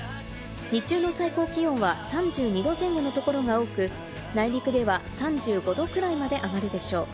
日中の最高気温は３２度前後のところが多く、内陸では３５℃くらいまで上がるでしょう。